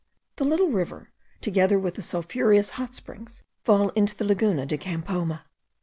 The little river, together with the sulphureous hot springs, fall into the Laguna de Campoma.